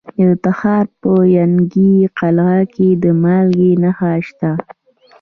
د تخار په ینګي قلعه کې د مالګې نښې شته.